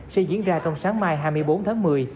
sẽ diễn ra trong sáng mai hai mươi bốn tháng một mươi